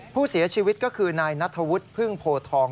ผู้เสียชีวิตก็คือนายนัทธวุฒิพึ่งโพทอง